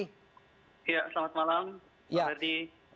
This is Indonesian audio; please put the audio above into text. ya selamat malam bang ferdi